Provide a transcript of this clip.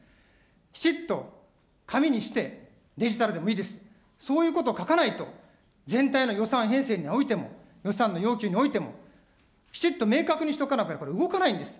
きちっと紙にして、デジタルでもいいです、そういうことを書かないと、全体の予算編成においても、予算の要求においても、きちっと明確にしとかなきゃこれ、動かないんです。